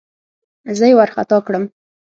زه يې وارخطا کړم.